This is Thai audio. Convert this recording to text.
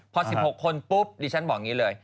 พอ๑๖คนปุ๊บดิฉันบอกอย่างนี้เลย